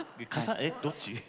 えどっち？